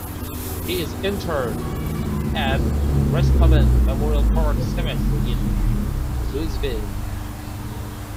He is interred at Resthaven Memorial Park Cemetery in Louisville.